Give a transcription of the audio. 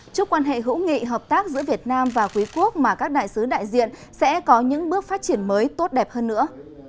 chúc quan hệ hữu nghị hợp tác giữa việt nam và quý quốc mà các đại sứ đại diện sẽ có những bước phát triển mới tốt đẹp hơn nữa